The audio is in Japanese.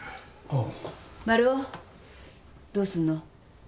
どうすんの？